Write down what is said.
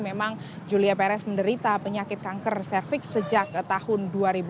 memang julia perez menderita penyakit kanker cervix sejak tahun dua ribu dua